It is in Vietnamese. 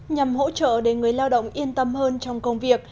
nhằm hỗ trợ để người lao động yên tâm hơn trong công việc